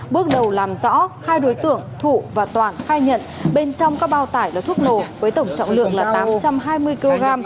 bước đầu làm rõ hai đối tượng thụ và toản khai nhận bên trong các bao tải là thuốc nổ với tổng trọng lượng là tám trăm hai mươi kg